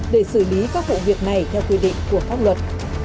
để xử lý các vụ việc này theo quy định của pháp luật